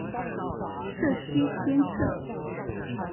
社區監測